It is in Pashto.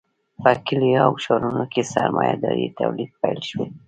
په کلیو او ښارونو کې سرمایه داري تولید پیل شو.